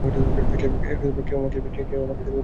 কেউ আমাকে ছোট ভেবো না।